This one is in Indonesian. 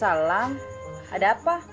waalaikumsalam ada apa